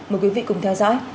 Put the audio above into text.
mời quý vị cùng theo dõi